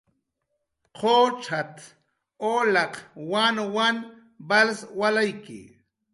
"Lakunat"" ulaq wanwan wals walayki"